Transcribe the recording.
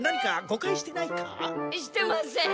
してません！